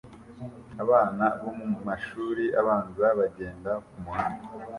Abana bo mumashuri abanza bagenda kumuhanda